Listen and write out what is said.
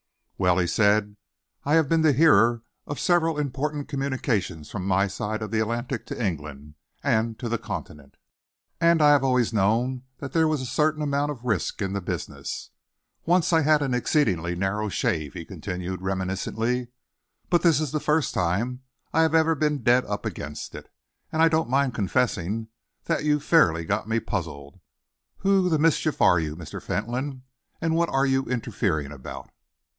"Well," he said, "I have been the hearer of several important communications from my side of the Atlantic to England and to the Continent, and I have always known that there was a certain amount of risk in the business. Once I had an exceedingly narrow shave," he continued reminiscently, "but this is the first time I have ever been dead up against it, and I don't mind confessing that you've fairly got me puzzled. Who the mischief are you, Mr. Fentolin, and what are you interfering about?"